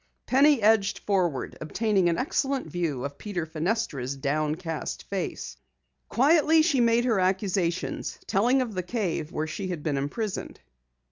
Penny edged forward, obtaining an excellent view of Peter Fenestra's downcast face. Quietly she made her accusations, telling of the cave where she had been imprisoned.